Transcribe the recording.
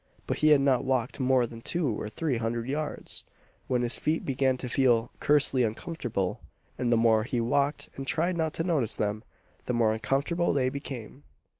But he had not walked more than two or three hundred yards, when his feet began to feel "cursedly uncomfortable;" and the more he walked and tried not to notice them, the more uncomfortable they became.